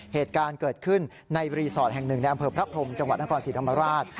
เหตุการณ์เกิดขึ้นในรีสอร์ทแห่งหนึ่งในอำเภอพระพรมจังหวัดนครศรีธรรมราช